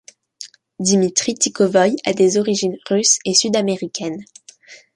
Dimitri Tikovoï a des origines russes et sud-américaines.